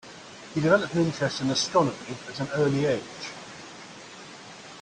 He developed an interest in astronomy at an early age.